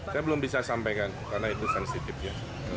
saya belum bisa sampaikan karena itu sensitifnya